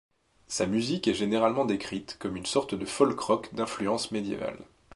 Sa musique est généralement décrite comme une sorte de folk-rock d'influence médiévale.